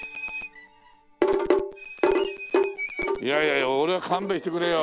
いやいや踊りは勘弁してくれよ。